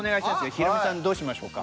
ヒロミさんどうしましょうか？